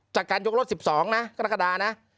จากการยกรถ๑๒นะกรกฎานะ